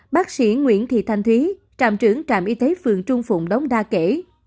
bác sĩ nguyễn thị thanh thúy trạm trưởng trạm y tế phường trung phụng đóng đa kể